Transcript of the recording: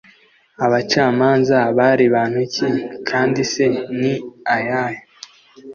abacamanza bari bantu ki kandi se ni ayahe